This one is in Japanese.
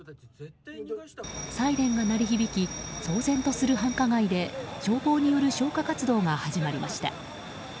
サイレンが鳴り響き騒然とする繁華街で消防による消火活動が始まりました。